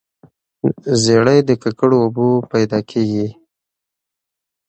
زیړی له ککړو اوبو پیدا کیږي.